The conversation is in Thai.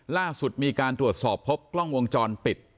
ล่าสุดมีการตรวจสอบพบกล้องวงจรปิด